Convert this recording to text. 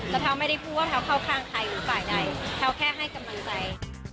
แต่เท้าไม่ได้พูดว่าแพลวเข้าข้างใครหรือฝ่ายใดแพลวแค่ให้กำลังใจ